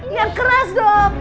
yang keras dong